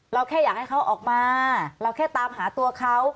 แค่อยากให้เขาออกมาเราแค่ตามหาตัวเขา